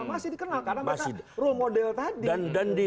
masih dikenal karena mereka role model tadi